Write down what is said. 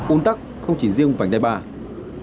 uống tắc không chỉ là vùng thu phí áp dụng từ vành đai ba trở vào